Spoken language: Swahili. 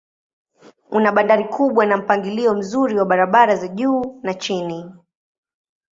Una bandari kubwa na mpangilio mzuri wa barabara za juu na chini.